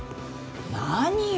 何よ？